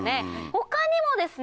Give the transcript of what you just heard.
他にもですね